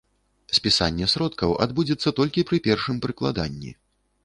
Спісанне сродкаў адбудзецца толькі пры першым прыкладанні.